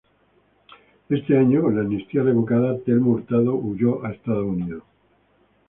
Ese año, con la amnistía revocada, Telmo Hurtado huyó a Estados Unidos.